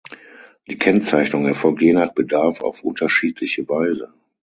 Die Kennzeichnung erfolgt je nach Bedarf auf unterschiedliche Weise.